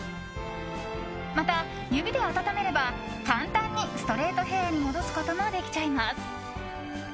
また、指で温めれば簡単にストレートヘアに戻すことができちゃいます。